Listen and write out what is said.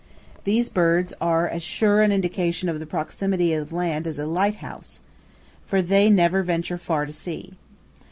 These birds are as sure an indication of the proximity of land as a lighthouse is, for they never venture far to sea.